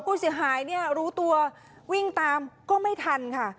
ผู้เสียหายเนี่ยรู้ตัววิ่งตามก็ไม่ทันค่ะ